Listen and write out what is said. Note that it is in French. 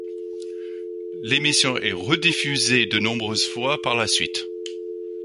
L'émission est rediffusée de nombreuses fois par la suite.